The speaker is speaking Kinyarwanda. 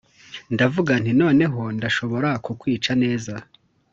ndavuga nti: "noneho, ndashobora kukwica neza;